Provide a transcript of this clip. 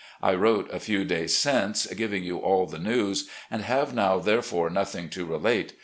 ... I wrote a few days since, giving you all the news, and have now therefore nothing to relate.